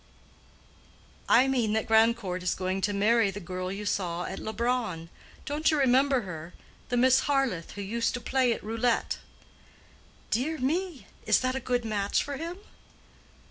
"I mean that Grandcourt is going to marry the girl you saw at Leubronn—don't you remember her—the Miss Harleth who used to play at roulette." "Dear me! Is that a good match for him?"